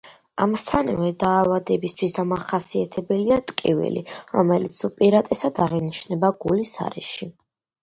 ამასთანავე, დაავადებისთვის დამახასიათებელია ტკივილი, რომელიც უპირატესად აღინიშნება გულის არეში.